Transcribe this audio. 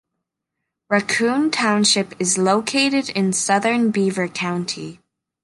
Raccoon Township is located in southern Beaver County.